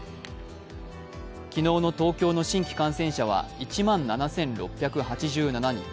昨日の東京の新規感染者は１万７６８７人。